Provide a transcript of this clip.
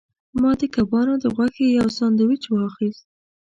ما د کبانو د غوښې یو سانډویچ واخیست.